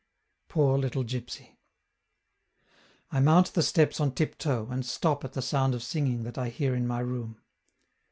Poor little gipsy! I mount the steps on tiptoe, and stop at the sound of singing that I hear in my room.